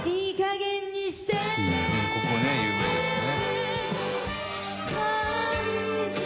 「ここね有名ですね」